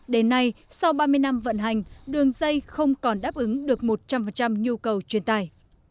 đến nay sau ba mươi năm vận hành đường dây không còn đáp ứng được một trăm linh nhu cầu truyền tải